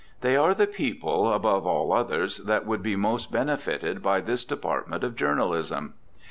They are the people, above all others, that would be most benefited by this department of journalism.